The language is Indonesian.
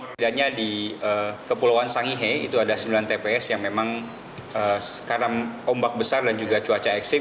bedanya di kepulauan sangihe itu ada sembilan tps yang memang karena ombak besar dan juga cuaca ekstrim